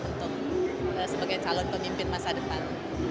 untuk sebagai calon pemimpin masa depan